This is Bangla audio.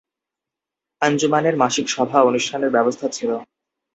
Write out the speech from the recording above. আঞ্জুমানের মাসিক সভা অনুষ্ঠানের ব্যবস্থা ছিল।